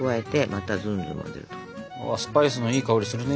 スパイスのいい香りするね。